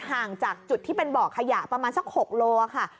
ห่างจากจุดที่เป็นบ่อขยะประมาณสัก๖โลค่ะ